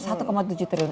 satu koma tujuh triliun